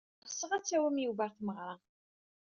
Ɣseɣ ad tawim Yuba ɣer tmeɣra.